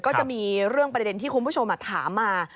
ก็จะมีเรื่องประเด็นที่คุณผู้ชมถามมา